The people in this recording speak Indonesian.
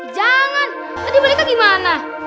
jangan tadi mereka gimana